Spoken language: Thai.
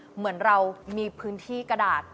เหมือนเรามีพื้นที่กระดาษ